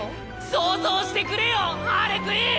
想像してくれよハーレクイン！